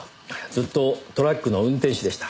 ずっとトラックの運転手でした。